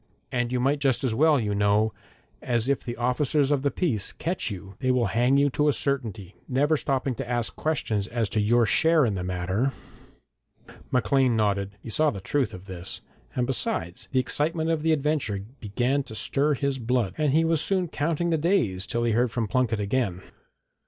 And you might just as well, you know, as if the officers of the peace catch you they will hang you to a certainty, never stopping to ask questions as to your share in the matter.' Maclean nodded. He saw the truth of this, and besides, the excitement of the adventure began to stir his blood, and he was soon counting the days till he heard from Plunket again.